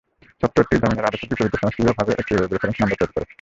সফটওয়্যারটি জামিনের আদেশের বিপরীতে স্বয়ংক্রিয়ভাবে একটি ওয়েব রেফারেন্স নম্বর তৈরি করে।